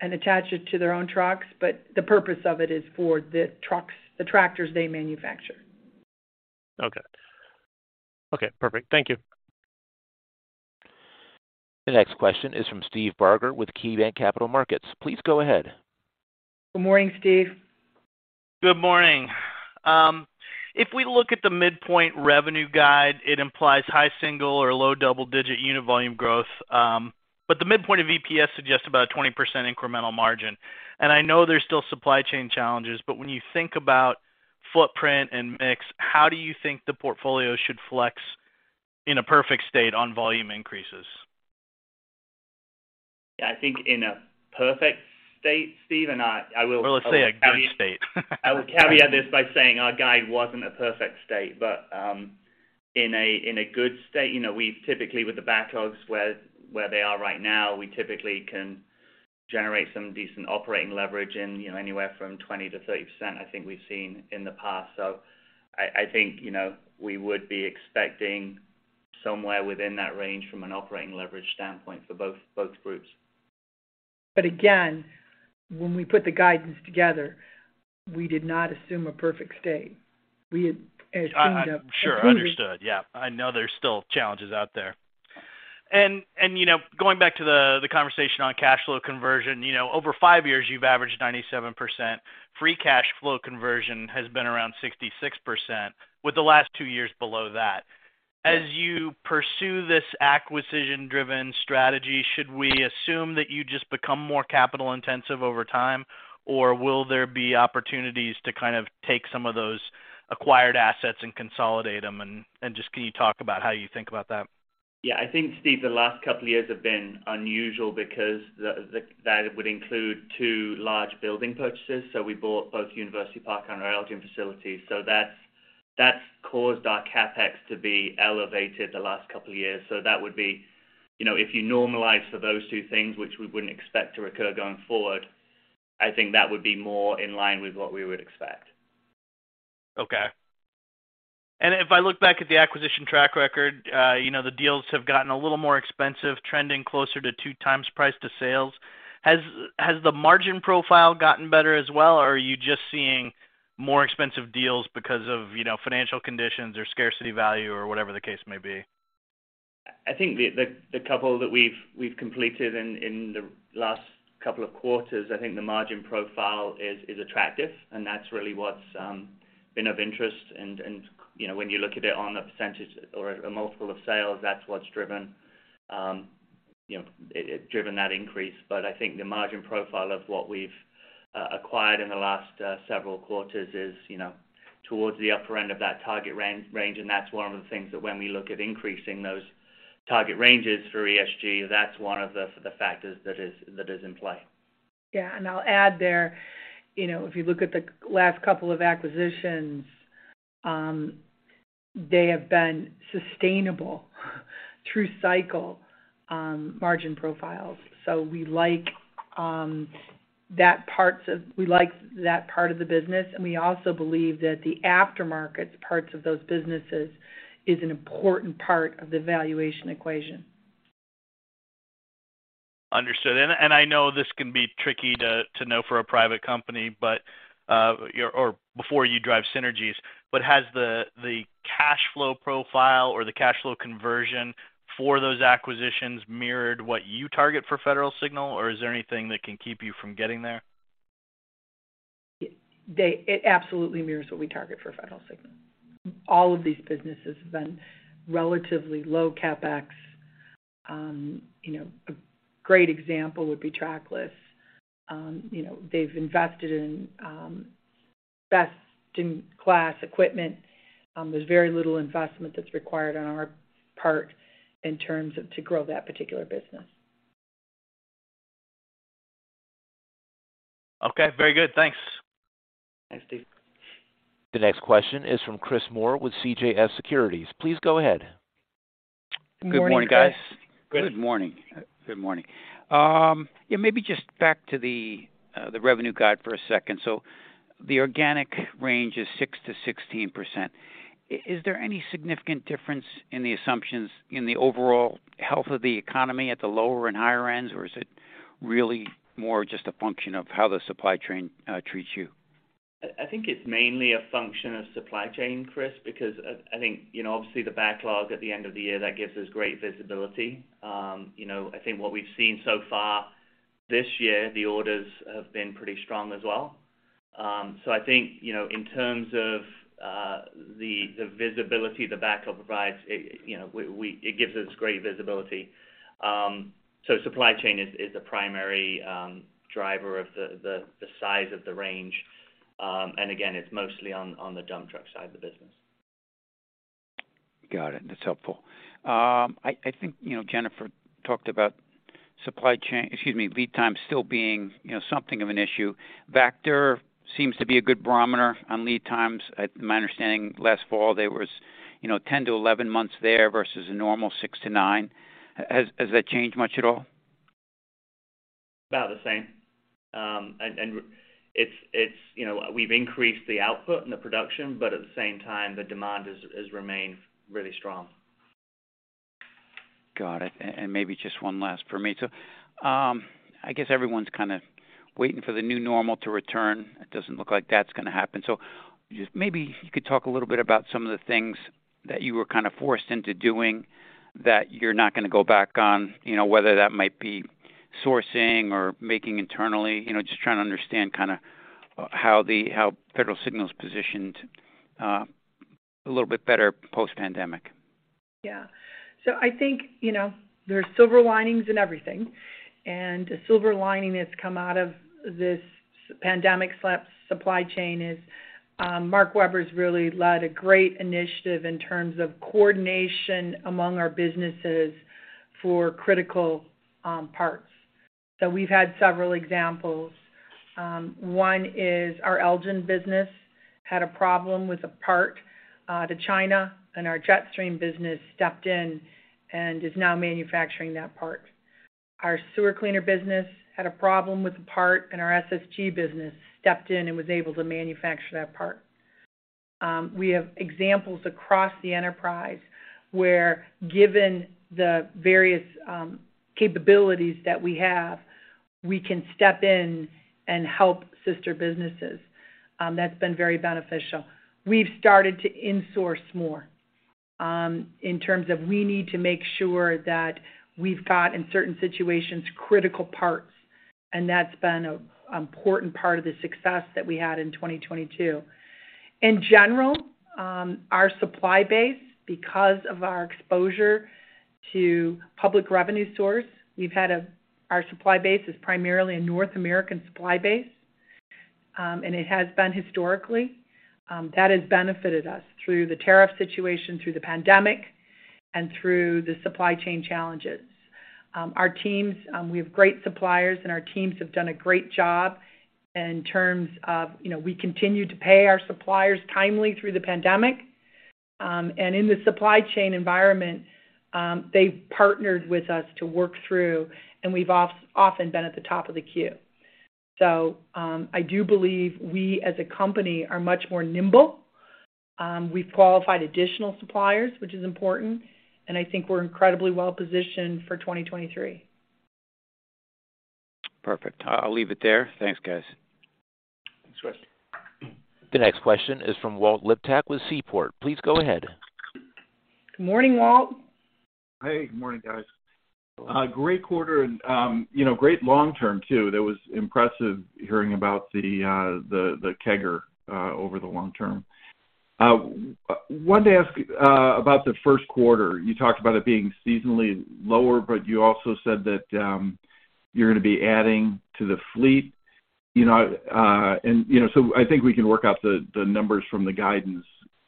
and attach it to their own trucks, but the purpose of it is for the trucks, the tractors they manufacture. Okay. Okay, perfect. Thank you. The next question is from Steve Barger with KeyBanc Capital Markets. Please go ahead. Good morning, Steve. Good morning. If we look at the midpoint revenue guide, it implies high single or low double-digit unit volume growth. The midpoint of EPS suggests about a 20% incremental margin. I know there's still supply chain challenges, but when you think about footprint and mix, how do you think the portfolio should flex in a perfect state on volume increases? I think in a perfect state, Steve, and I. Let's say a good state. I will caveat this by saying our guide wasn't a perfect state, but, in a good state, you know, we've typically with the backlogs where they are right now, we typically can generate some decent operating leverage in, you know, anywhere from 20%-30%, I think we've seen in the past. I think, you know, we would be expecting somewhere within that range from an operating leverage standpoint for both groups. Again, when we put the guidance together, we did not assume a perfect state. As things have improved. Sure. Understood. Yeah. I know there's still challenges out there. You know, going back to the conversation on cash flow conversion, you know, over 5 years, you've averaged 97%. Free cash flow conversion has been around 66%, with the last 2 years below that. As you pursue this acquisition-driven strategy, should we assume that you just become more capital intensive over time? Will there be opportunities to kind of take some of those acquired assets and consolidate them? Just can you talk about how you think about that? Yeah. I think, Steve, the last couple of years have been unusual because that would include 2 large building purchases. We bought both University Park and our Elgin facilities. That's caused our CapEx to be elevated the last couple of years. That would be, you know, if you normalize for those 2 things, which we wouldn't expect to recur going forward, I think that would be more in line with what we would expect. Okay. If I look back at the acquisition track record, you know, the deals have gotten a little more expensive, trending closer to 2x price to sales. Has the margin profile gotten better as well, or are you just seeing more expensive deals because of, you know, financial conditions or scarcity value or whatever the case may be? I think the couple that we've completed in the last couple of quarters, I think the margin profile is attractive, and that's really what's been of interest. You know, when you look at it on a percentage or a multiple of sales, that's what's driven, you know, driven that increase. I think the margin profile of what we've acquired in the last several quarters is, you know, towards the upper end of that target range. That's one of the things that when we look at increasing those target ranges for ESG, that's one of the factors that is in play. Yeah. I'll add there, you know, if you look at the last couple of acquisitions, they have been sustainable through cycle, margin profiles. We like that part of the business, and we also believe that the aftermarket parts of those businesses is an important part of the valuation equation. Understood. I know this can be tricky to know for a private company, but or before you drive synergies. Has the cash flow profile or the cash flow conversion for those acquisitions mirrored what you target for Federal Signal, or is there anything that can keep you from getting there? It absolutely mirrors what we target for Federal Signal. All of these businesses have been relatively low CapEx. You know, a great example would be Trackless. You know, they've invested in, best-in-class equipment. There's very little investment that's required on our part in terms of to grow that particular business. Okay. Very good. Thanks. Thanks, Steve. The next question is from Chris Moore with CJS Securities. Please go ahead. Good morning, Chris. Good morning, guys. Good morning. Good morning. Yeah, maybe just back to the revenue guide for a second. The organic range is 6%-16%. Is there any significant difference in the assumptions in the overall health of the economy at the lower and higher ends, or is it really more just a function of how the supply chain treats you? I think it's mainly a function of supply chain, Chris, because I think, you know, obviously the backlog at the end of the year, that gives us great visibility. You know, I think what we've seen so far this year, the orders have been pretty strong as well. I think, you know, in terms of the visibility the backup provides, it, you know, it gives us great visibility. Supply chain is a primary driver of the size of the range. Again, it's mostly on the dump truck side of the business. Got it. That's helpful. I think, you know, Jennifer talked about supply chain, excuse me, lead time still being, you know, something of an issue. Vactor seems to be a good barometer on lead times. My understanding last fall there was, you know, 10-11 months there versus a normal 6-9. Has that changed much at all? About the same. It's, you know, we've increased the output and the production, but at the same time, the demand has remained really strong. Got it. Maybe just one last for me. I guess everyone's kinda waiting for the new normal to return. It doesn't look like that's gonna happen. Just maybe you could talk a little bit about some of the things that you were kinda forced into doing that you're not gonna go back on, you know, whether that might be sourcing or making internally. You know, just trying to understand kinda how Federal Signal is positioned a little bit better post-pandemic. I think, you know, there's silver linings in everything, and a silver lining that's come out of this pandemic supply chain is Mark Weber's really led a great initiative in terms of coordination among our businesses for critical parts. We've had several examples. One is our Elgin business had a problem with a part to China, and our Jetstream business stepped in and is now manufacturing that part. Our sewer cleaner business had a problem with a part, and our SSG business stepped in and was able to manufacture that part. We have examples across the enterprise where given the various capabilities that we have, we can step in and help sister businesses. That's been very beneficial. We've started to insource more, in terms of we need to make sure that we've got, in certain situations, critical parts, and that's been an important part of the success that we had in 2022. In general, our supply base, because of our exposure to public revenue source, our supply base is primarily a North American supply base, and it has been historically. That has benefited us through the tariff situation, through the pandemic, and through the supply chain challenges. Our teams, we have great suppliers and our teams have done a great job in terms of, you know, we continued to pay our suppliers timely through the pandemic. In the supply chain environment, they've partnered with us to work through, and we've often been at the top of the queue. I do believe we as a company are much more nimble. We've qualified additional suppliers, which is important, and I think we're incredibly well-positioned for 2023. Perfect. I'll leave it there. Thanks, guys. Thanks, Chris. The next question is from Walt Liptak with Seaport. Please go ahead. Good morning, Walt. Hey, good morning, guys. A great quarter and, you know, great long-term too. That was impressive hearing about the CAGR over the long term. wanted to ask about the first quarter. You talked about it being seasonally lower. You also said that you're gonna be adding to the fleet. You know, I think we can work out the numbers from the guidance.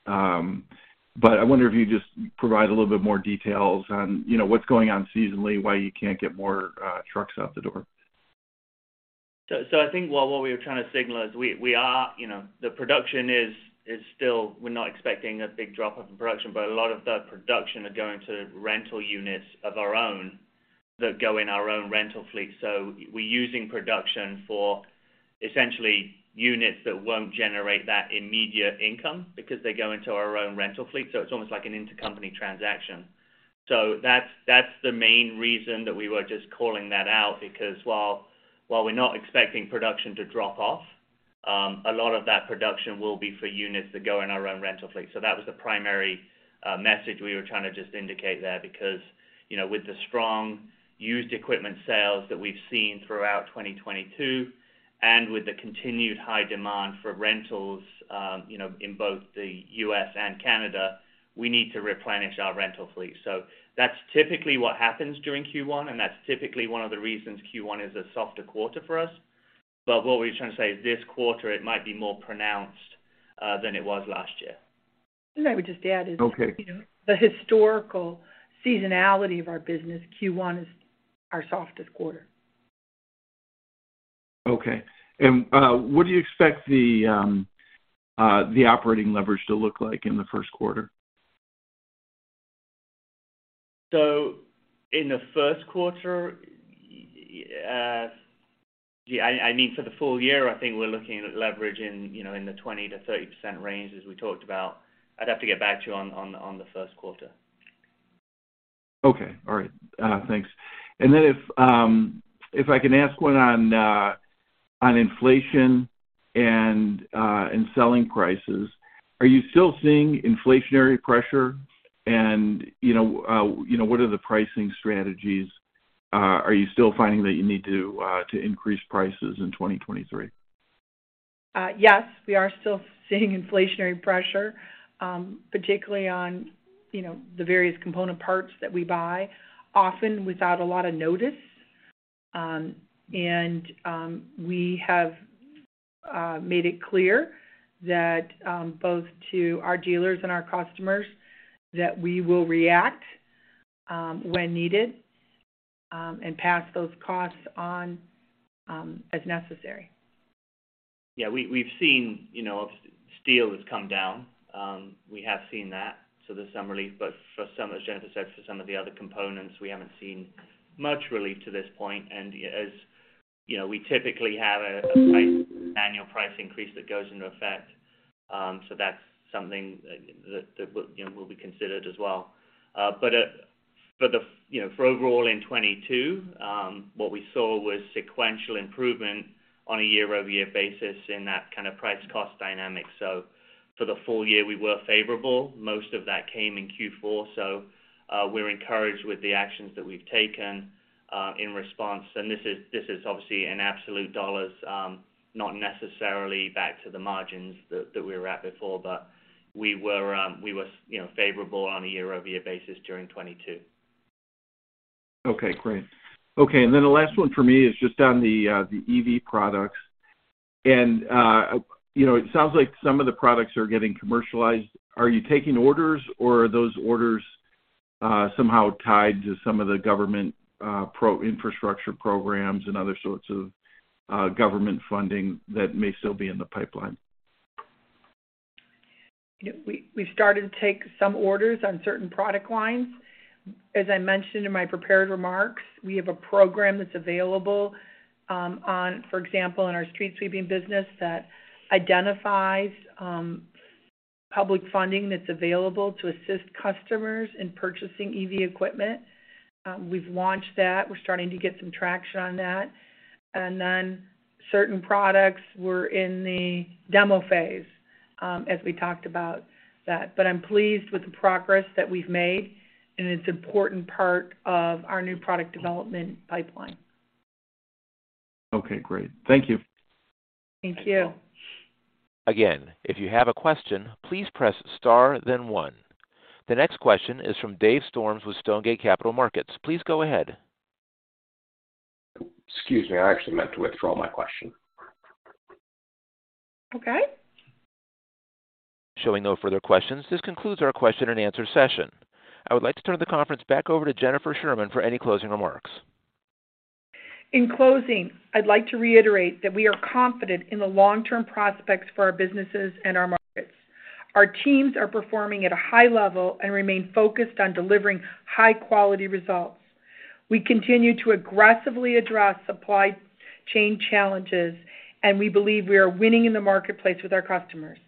I wonder if you just provide a little bit more details on, you know, what's going on seasonally, why you can't get more trucks out the door. I think what we were trying to signal is we are, you know, the production is still we're not expecting a big drop-off in production, but a lot of the production are going to rental units of our own that go in our own rental fleet. We're using production for essentially units that won't generate that immediate income because they go into our own rental fleet. It's almost like an intercompany transaction. That's the main reason that we were just calling that out, because while we're not expecting production to drop off, a lot of that production will be for units that go in our own rental fleet. That was the primary message we were trying to just indicate there. You know, with the strong used equipment sales that we've seen throughout 2022 and with the continued high demand for rentals, you know, in both the U.S. and Canada, we need to replenish our rental fleet. That's typically what happens during Q1, and that's typically one of the reasons Q1 is a softer quarter for us. What we're trying to say this quarter, it might be more pronounced than it was last year. I would just add. Okay. You know, the historical seasonality of our business, Q1 is our softest quarter. Okay. What do you expect the operating leverage to look like in the first quarter? In the first quarter, Gee, I mean, for the full year, I think we're looking at leverage in, you know, in the 20%-30% range as we talked about. I'd have to get back to you on the first quarter. Okay. All right. Thanks. If I can ask one on inflation and selling prices. Are you still seeing inflationary pressure? You know, what are the pricing strategies? Are you still finding that you need to increase prices in 2023? Yes, we are still seeing inflationary pressure, particularly on, you know, the various component parts that we buy, often without a lot of notice. We have made it clear that both to our dealers and our customers that we will react when needed and pass those costs on as necessary. Yeah. We've seen, you know, steel has come down. We have seen that. There's some relief. For some, as Jennifer said, for some of the other components, we haven't seen much relief to this point. As you know, we typically have an annual price increase that goes into effect. That's something that, you know, will be considered as well. For overall in 2022, what we saw was sequential improvement on a year-over-year basis in that kind of price cost dynamic. For the full year, we were favorable. Most of that came in Q4. We're encouraged with the actions that we've taken in response. This is obviously in absolute dollars, not necessarily back to the margins that we were at before, but we were, you know, favorable on a year-over-year basis during 2022. Okay, great. Okay, then the last one for me is just on the EV products. You know, it sounds like some of the products are getting commercialized. Are you taking orders or are those orders somehow tied to some of the government infrastructure programs and other sorts of government funding that may still be in the pipeline? We've started to take some orders on certain product lines. As I mentioned in my prepared remarks, we have a program that's available, for example, in our street sweeping business that identifies public funding that's available to assist customers in purchasing EV equipment. We've launched that. We're starting to get some traction on that. Certain products were in the demo phase as we talked about that. I'm pleased with the progress that we've made, and it's important part of our new product development pipeline. Okay, great. Thank you. Thank you. Again, if you have a question, please press * then one. The next question is from Dave Storms with Stonegate Capital Markets. Please go ahead. Excuse me, I actually meant to withdraw my question. Okay. Showing no further questions, this concludes our question and answer session. I would like to turn the conference back over to Jennifer Sherman for any closing remarks. In closing, I'd like to reiterate that we are confident in the long-term prospects for our businesses and our markets. Our teams are performing at a high level and remain focused on delivering high quality results. We continue to aggressively address supply chain challenges, and we believe we are winning in the marketplace with our customers.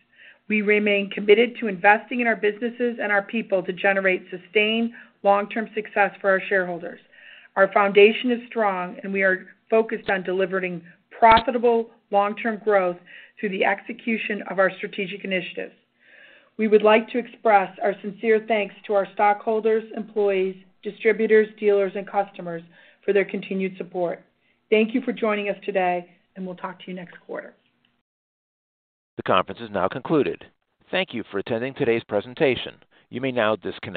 We remain committed to investing in our businesses and our people to generate sustained long-term success for our shareholders. Our foundation is strong, and we are focused on delivering profitable long-term growth through the execution of our strategic initiatives. We would like to express our sincere thanks to our stockholders, employees, distributors, dealers, and customers for their continued support. Thank you for joining us today, and we'll talk to you next quarter. The conference is now concluded. Thank you for attending today's presentation. You may now disconnect.